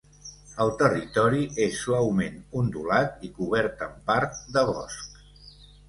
El territori és suaument ondulat i cobert en part de bosc.